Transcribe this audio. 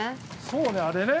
◆そうね、あれね。